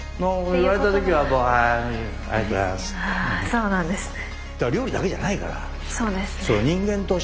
そうなんですね。